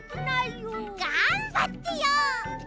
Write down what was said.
がんばってよ。